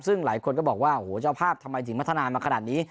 ซึ่งหลายคนก็บอกว่าโอ้โหเจ้าภาพทำไมถึงพัฒนามาขนาดนี้